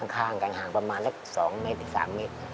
ข้างกันห่างประมาณสัก๒๓มิตร